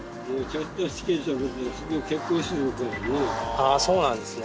あぁそうなんですね。